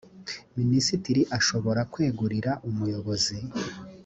minisitiri ashobora kwegurira umuyobozi